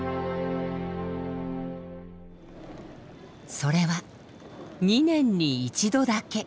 それは２年に一度だけ。